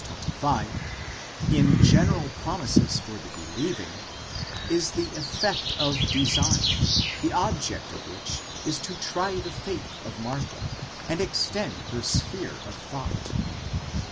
25) in general promises for the believing, is the effect of design, the object of which is to try the faith of Martha, and extend her sphere of thought.